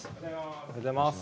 おはようございます。